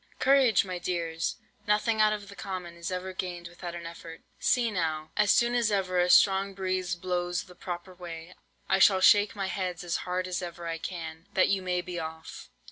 Courage, my dears! nothing out of the common is ever gained without an effort. See now! as soon as ever a strong breeze blows the proper way, I shall shake my heads as hard as ever I can, that you may be off.